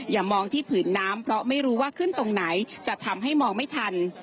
อย่ามองที่ผืนน้ำเพราะไม่รู้ว่าขึ้นตรงไหนจะทำให้มองไม่ทัน